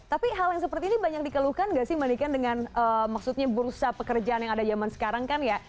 tapi hal yang seperti ini banyak dikeluhkan nggak sih mbak niken dengan maksudnya bursa pekerjaan yang ada zaman sekarang kan ya